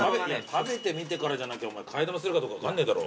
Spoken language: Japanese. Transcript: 食べてみてからじゃなきゃお前替え玉するかどうか分かんねえだろ。